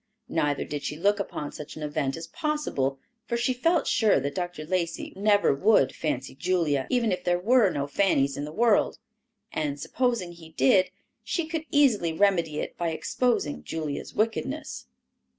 Neither did she look upon such an event as possible, for she felt sure that Dr. Lacey never would fancy Julia, even if there were no Fannys in the world; and supposing he did, she could easily remedy it by exposing Julia's wickedness.